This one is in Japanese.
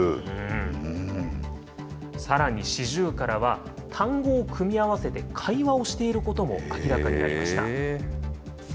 さらにシジュウカラは、単語を組み合わせて会話をしていることも明らかになりました。